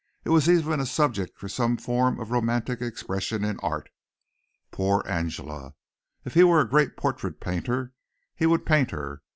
It was even a subject for some form of romantic expression in art. Poor Angela! If he were a great portrait painter he would paint her.